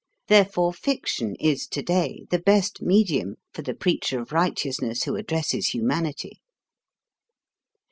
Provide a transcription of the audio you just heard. Therefore, fiction is today the best medium for the preacher of righteousness who addresses humanity.